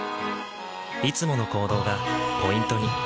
いつもの行動がポイントに。